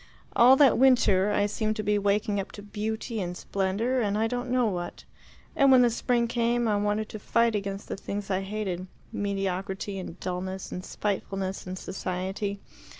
All that winter I seemed to be waking up to beauty and splendour and I don't know what; and when the spring came, I wanted to fight against the things I hated mediocrity and dulness and spitefulness and society.